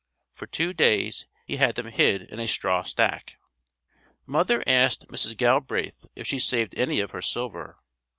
For two days, he had them hid in a straw stack. Mother asked Mrs. Galbraith if she saved any of her silver.